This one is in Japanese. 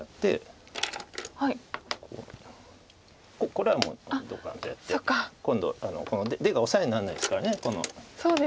これはもうドカンとやって今度出がオサエになんないですからこの。